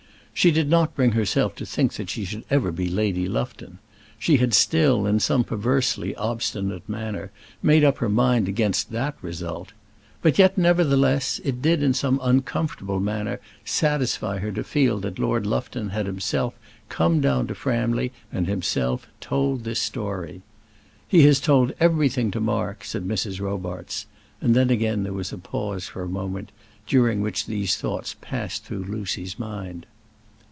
She did not bring herself to think that she should ever be Lady Lufton. She had still, in some perversely obstinate manner, made up her mind against that result. But yet, nevertheless, it did in some unaccountable manner satisfy her to feel that Lord Lufton had himself come down to Framley and himself told this story. "He has told everything to Mark," said Mrs. Robarts; and then again there was a pause for a moment, during which these thoughts passed through Lucy's mind.